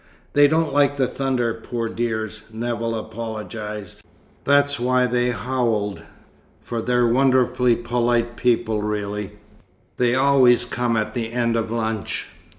"They don't like the thunder, poor dears," Nevill apologised. "That's why they howled, for they're wonderfully polite people really. They always come at the end of lunch.